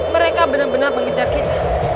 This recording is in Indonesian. mereka benar benar mengejar kita